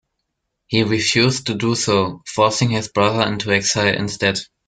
He refused to do so, forcing his brother into exile instead.